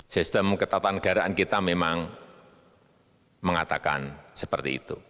sistem ketatanegaraan kita memang mengatakan seperti itu